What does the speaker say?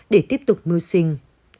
để tiếp tục mưu sinh